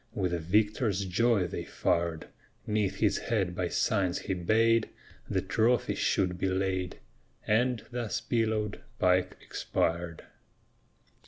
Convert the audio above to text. With a victor's joy they fired, 'Neath his head by signs he bade The trophy should be laid; And, thus pillowed, Pike expired.